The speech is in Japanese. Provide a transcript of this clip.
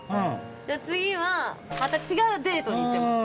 次はまた違うデートに行ってます。